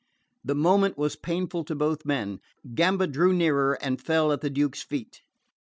The moment was painful to both men. Gamba drew nearer and fell at the Duke's feet.